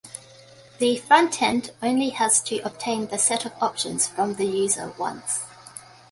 The frontend only has to obtain the set of options from the user once.